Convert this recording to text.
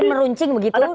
jadi meruncing begitu